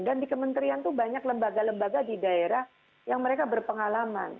dan di kementerian itu banyak lembaga lembaga di daerah yang mereka berpengalaman